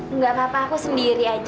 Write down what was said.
enggak apa apa aku sendiri aja